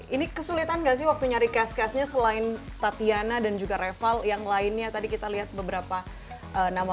ini kesulitan gak sih waktu nyari cast castnya selain tatiana dan juga reval yang lainnya